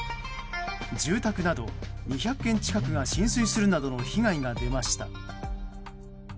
住宅など２００軒近くが浸水するなどの被害が出ました。